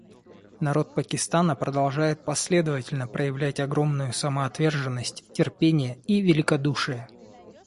Народ Пакистана продолжает последовательно проявлять огромную самоотверженность, терпение и великодушие.